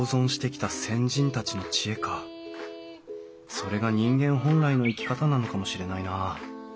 それが人間本来の生き方なのかもしれないなあ。